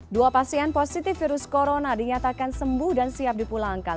dua pasien positif virus corona dinyatakan sembuh dan siap dipulangkan